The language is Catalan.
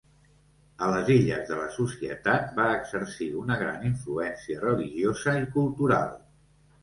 A les illes de la Societat, va exercir una gran influència religiosa i cultural.